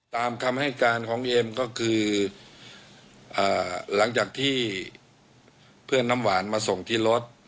ตามคำให้การของเอ็มก็คือหลังจากที่เพื่อนน้ำหวานมาส่งที่รถ